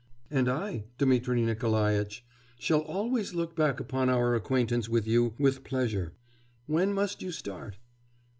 'And I, Dmitri Nikolaitch, shall always look back upon our acquaintance with you with pleasure. When must you start?